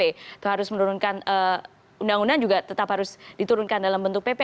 itu harus menurunkan undang undang juga tetap harus diturunkan dalam bentuk pp